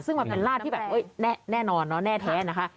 ซึ่งมันเป็นลาดที่แบบแน่นอนเนาะแน่แท้นะคะ